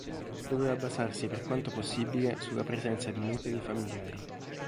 Doveva basarsi per quanto possibile sulla presenza di nuclei familiari.